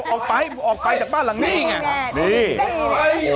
ออกไปจากบ้านหลังนี้